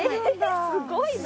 すごいな！